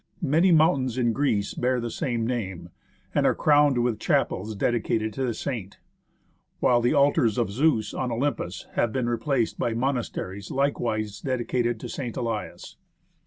Many mountains in Greece bear the same name, and are crowned with chapels dedicated to the saint ; while the altars of Zeus on Olympus have been replaced by monasteries 46 THE HISTORY OF MOUNT ST. ELIAS likewise dedicated to St. Elias.